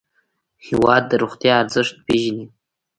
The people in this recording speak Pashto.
هېواد د روغتیا ارزښت پېژني.